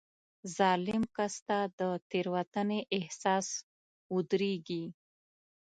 ظالم کس ته د تېروتنې احساس ودرېږي.